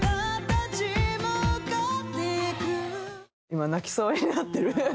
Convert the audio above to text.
今泣きそうになってる。